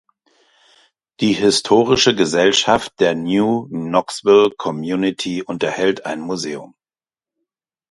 Die Historische Gesellschaft der New Knoxville Community unterhält ein Museum.